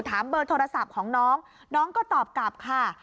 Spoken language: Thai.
เบอร์โทรศัพท์ของน้องน้องก็ตอบกลับค่ะ